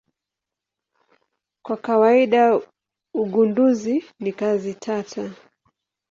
Kwa kawaida ugunduzi ni kazi tata.